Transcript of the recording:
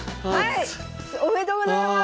おめでとうございます！